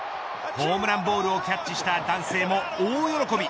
ホームランボールをキャッチした男性も大喜び。